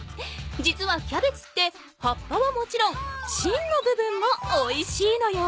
実はキャベツって葉っぱはもちろんしんの部分もおいしいのよ。